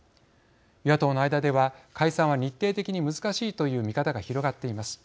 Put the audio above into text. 与野党の間では解散は日程的に難しいという見方が広がっています。